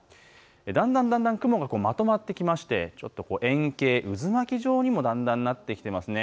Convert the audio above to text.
だんだん雲がまとまってきまして円形、渦巻き状にもだんだんなってきています。